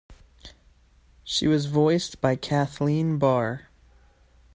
She was voiced by Kathleen Barr.